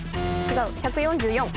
１４４。